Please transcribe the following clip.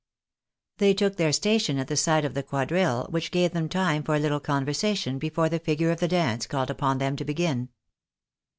They took their station at the side of the quadrille, which gave time for a little conversation before tljc figure of the dance called upon them to begin.